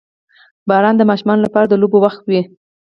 • باران د ماشومانو لپاره د لوبو وخت وي.